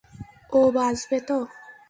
ও বাঁচবে তো?